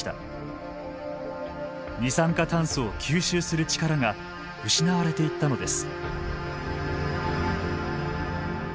二酸化炭素を吸収する力が失われていったのです。